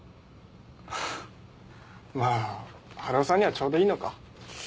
まあ春尾さんにはちょうどいいのか。